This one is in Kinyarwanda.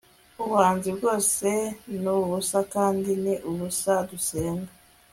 ubuhanzi bwose nubusa kandi ni ubusa dusenga